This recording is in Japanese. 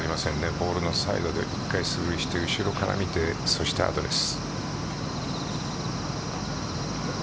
ボールのサイドで１回スルーして後ろから見て、そしてアドレス。